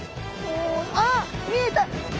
あっ見えた。